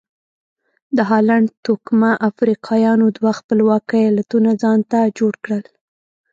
د هالنډ توکمه افریقایانو دوه خپلواک ایالتونه ځانته جوړ کړل.